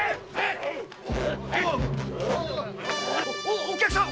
おお客さん